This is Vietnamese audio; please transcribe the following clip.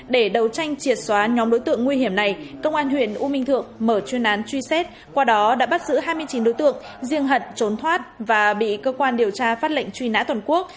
để đấu tranh triệt xóa nhóm đối tượng nguy hiểm này công an huyện u minh thượng mở chuyên án truy xét qua đó đã bắt giữ hai mươi chín đối tượng riêng hận trốn thoát và bị cơ quan điều tra phát lệnh truy nã toàn quốc